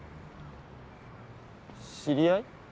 知り合い？